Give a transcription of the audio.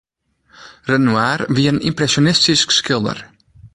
Renoir wie in ympresjonistysk skilder.